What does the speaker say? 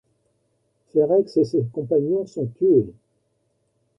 Ferrex et ses compagnons sont tués.